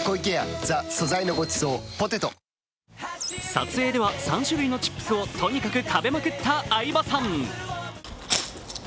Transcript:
撮影では３種類のチップスをとにかく食べまくった相葉さん。